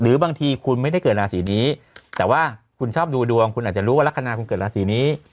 บางทีคุณไม่ได้เกิดราศีนี้แต่ว่าคุณชอบดูดวงคุณอาจจะรู้ว่าลักษณะคุณเกิดราศีนี้